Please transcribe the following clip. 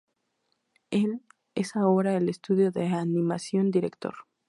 Él es ahora el estudio de animación Director.